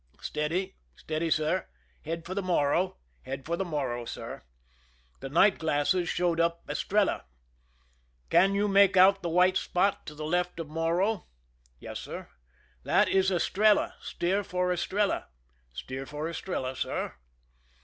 " Steady !"" Steady, sir." " Head for the Morro !"" Head for the Morro, sir." The night glasses showed up Estrella. " Can you make out the white spot to the left of Morro ?"" Yes, sir." " That is EstreUa. Steer for Estrella !" "Steer for Estrella, sir."